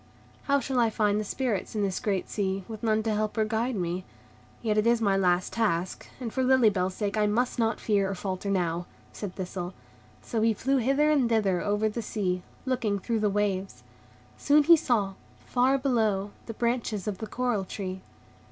"How shall I find the Spirits in this great sea, with none to help or guide me? Yet it is my last task, and for Lily Bell's sake I must not fear or falter now," said Thistle. So he flew hither and thither over the sea, looking through the waves. Soon he saw, far below, the branches of the coral tree.